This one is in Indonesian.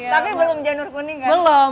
tapi belum janur kuning belum